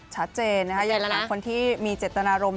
ชัดเจนนะคะยังหาคนที่มีเจตนารมณ์